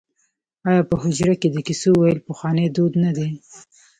آیا په حجره کې د کیسو ویل پخوانی دود نه دی؟